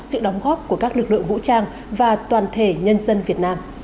sự đóng góp của các lực lượng vũ trang và toàn thể nhân dân việt nam